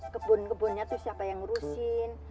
kebun kebunnya itu siapa yang ngurusin